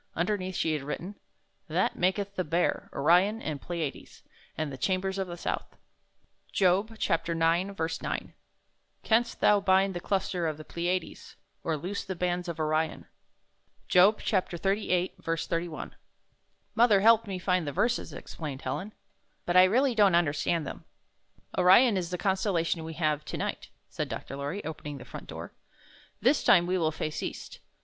Un derneath she had written : That maketh the Bear, Orion, and Pleiades, And the chambers of the south. Job 9: 9. Canst thou bind the cluster of the Pleiades, Or loose the bands of Orion? Job 38: 31. "Mother helped me find the verses," ex plained Helen, "but I really don't understand them." "Orion is the constellation we have to 14 I found this on . 15 night," said Dr. Lorry, opening the front door. ''This time we will face east.